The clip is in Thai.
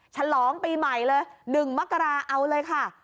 ฉลองปีใหม่เลย๑มกราเอาเลยค่ะ